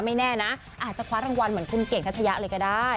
ไม่แน่นะอาจจะคว้ารางวัลเหมือนคุณเก่งทัชยะเลยก็ได้